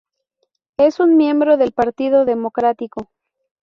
Es un miembro del Partido Democrático.